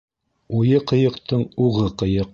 Уйы ҡыйыҡтың уғы ҡыйыҡ.